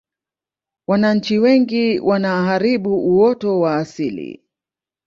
wananchi wengi wanaharibu uoto wa asili